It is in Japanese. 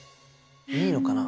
いいのかな？